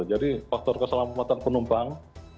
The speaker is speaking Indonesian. jadi faktor keselamatan penumpang